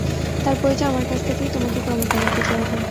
তার পরিচয় আমার কাছ থেকেই তোমাকে ক্রমে ক্রমে পেতে হবে।